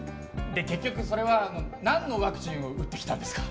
で結局それはなんのワクチンを打ってきたんですか？